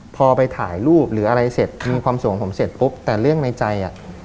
พอไปถ่ายรูปหรืออะไรเสร็จมีความสุขของผมเสร็จปุ๊บแต่เรื่องในใจอ่ะ